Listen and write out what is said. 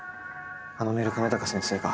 あのメール亀高先生が。